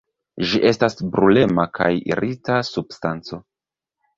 Ĝi estas brulema kaj irita substanco.